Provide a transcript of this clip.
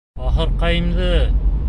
Бахырҡайымды!..